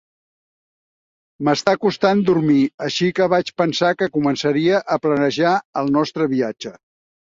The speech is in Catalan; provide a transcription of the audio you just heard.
M'està costant dormir, així que vaig pensar que començaria a planejar el nostre viatge.